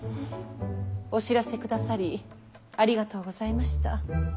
お知らせくださりありがとうございました。